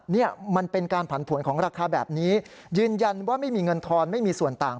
นี่มันเป็นการผันผวนของราคาแบบนี้ยืนยันว่าไม่มีเงินทอนไม่มีส่วนต่าง